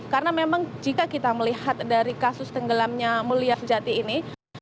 karena memang jika kita melihat dari kasus tenggelamnya mulia sejati ini